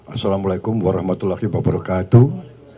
assalamualaikum warahmatullahi wabarakatuh